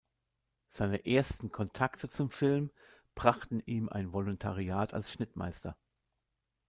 Seine ersten Kontakte zum Film brachten ihm ein Volontariat als Schnittmeister.